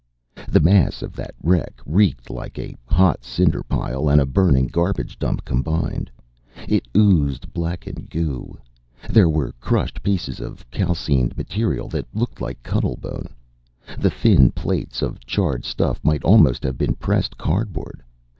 The mass of that wreck reeked like a hot cinder pile and a burning garbage dump combined. It oozed blackened goo. There were crushed pieces of calcined material that looked like cuttlebone. The thin plates of charred stuff might almost have been pressed cardboard.